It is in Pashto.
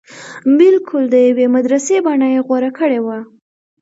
بلکل د يوې مدرسې بنه يې غوره کړې وه.